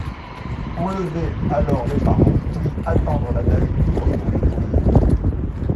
Enlever alors les parents, puis attendre la nage libre pour les nourrir.